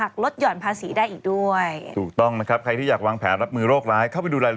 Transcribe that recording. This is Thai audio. ก็มีพิธีวงสวมพญานาคเป็นรุกข้าง